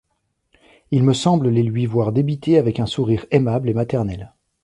Il me semble les lui voir débiter avec un sourire aimable et maternel.